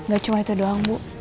gak cuma itu doang bu